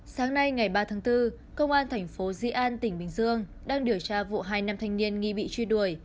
sáng nay ngày ba tháng bốn công an thành phố di an tỉnh bình dương đang điều tra vụ hai nam thanh niên nghi bị truy đuổi